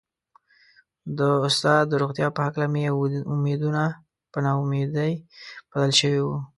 د استاد د روغتيا په هکله مې امېدونه په نا اميدي بدل شوي وو.